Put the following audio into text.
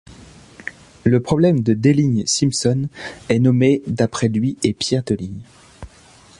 Le problème de Deligne-Simpson est nommé d'après lui et Pierre Deligne.